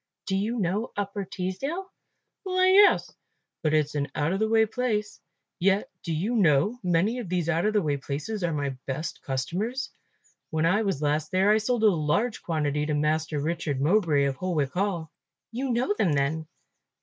"Do you know Upper Teesdale?" "Why, yes, but it's an out of the way place. Yet, do you know, many of these out of the way places are my best customers. When I was last there I sold a large quantity to Master Richard Mowbray of Holwick Hall." "You know them then?"